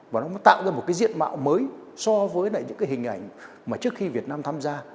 và nó tạo ra một cái diện mạo mới so với những cái hình ảnh mà trước khi việt nam tham gia